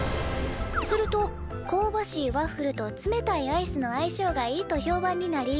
するとこうばしいワッフルと冷たいアイスの相性がいいと評判になり